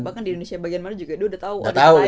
bahkan di indonesia bagian mana juga udah tau